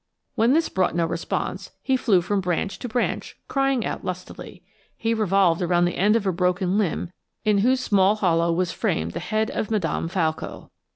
When this brought no response, he flew from branch to branch, crying out lustily. He revolved around the end of a broken limb in whose small hollow was framed the head of Madame Falco.